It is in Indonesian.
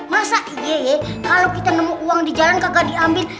masa igy kalau kita nemu uang di jalan kagak diambil